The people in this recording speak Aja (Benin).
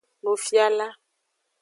Nufiala.